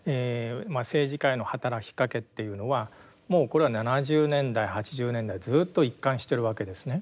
政治家への働きかけっていうのはもうこれは７０年代８０年代ずっと一貫してるわけですね。